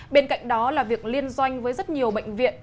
bên cạnh đó là việc liên doanh với rất nhiều bệnh viện